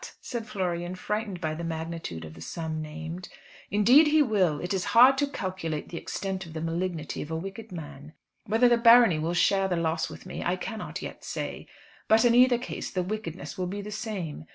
said Florian, frightened by the magnitude of the sum named. "Indeed he will. It is hard to calculate the extent of the malignity of a wicked man. Whether the barony will share the loss with me I cannot yet say; but in either case the wickedness will be the same.